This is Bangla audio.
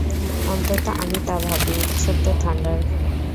অন্তত আমি তা ভাবি, ছোট্ট থান্ডার।